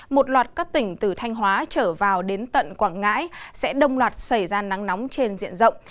một loạt các tỉnh từ thanh hóa trở vào đến tận quảng ngãi sẽ đông loạt xảy ra nắng nóng trên diện rộng